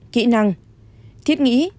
kỹ năng thiết nghĩ